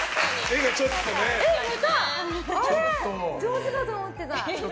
上手だと思ってた。